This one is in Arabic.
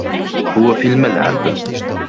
هو في الملعب.